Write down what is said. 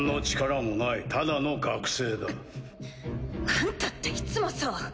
あんたっていつもそう。